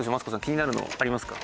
気になるのありますか？